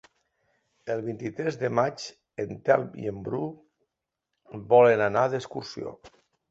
El vint-i-tres de maig en Telm i en Bru volen anar d'excursió.